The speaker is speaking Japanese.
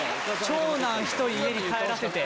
長男１人家に帰らせて。